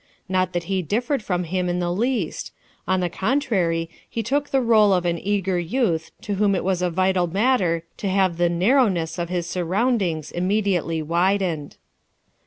Not that he differed from him in the least; on the contrary he took the role of an eager youth to whom it was a vital matter to have the " narrowness" of his surround ' ings immediately widened.